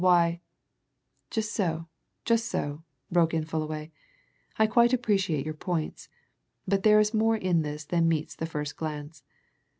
Why " "Just so just so!" broke in Fullaway. "I quite appreciate your points. But there is more in this than meets the first glance.